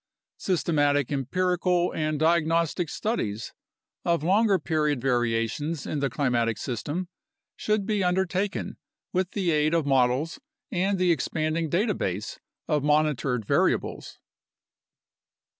Systematic empirical and diagnostic studies of longer period varia tions in the climatic system should be undertaken with the aid of models and the expanding data base of monitored variables.